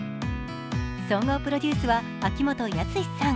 総合プロデュースは秋元康さん。